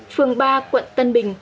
phường ba quận tân bình